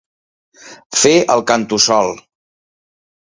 Fer el cantussol.